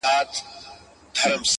زه له خپلي ډيري ميني ورته وايم’